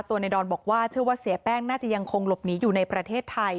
ในดอนบอกว่าเชื่อว่าเสียแป้งน่าจะยังคงหลบหนีอยู่ในประเทศไทย